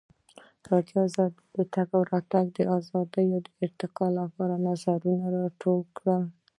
ازادي راډیو د د تګ راتګ ازادي د ارتقا لپاره نظرونه راټول کړي.